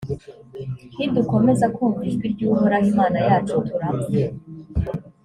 nidukomeza kumva ijwi ry’uhoraho imana yacu, turapfa.